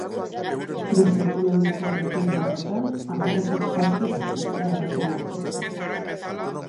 Krisi ekonomikoarekin batuta, hamarretik zazpik dute arazo nagusitzat.